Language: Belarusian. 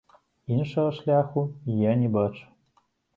Іншага шляху я не бачу.